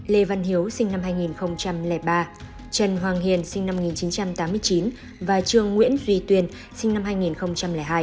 lê văn hiếu sinh năm hai nghìn ba trần hoàng hiền sinh năm một nghìn chín trăm tám mươi chín và trương nguyễn duy tuyên sinh năm hai nghìn hai